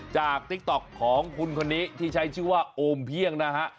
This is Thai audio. ติ๊กต๊อกของคุณคนนี้ที่ใช้ชื่อว่าโอมเพียงนะฮะ